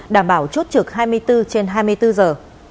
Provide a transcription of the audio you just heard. đảm bảo chốt trực hai mươi bốn trên hai mươi bốn giờ